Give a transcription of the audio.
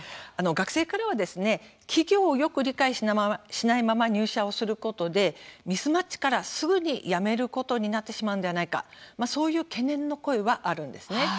学生からは企業をよく理解しないまま入社することでミスマッチから、すぐに辞めることになってしまうのではないかそういう懸念の声はあるんですね。